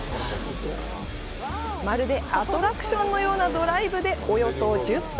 まるでアトラクションのようなドライブでおよそ１０分。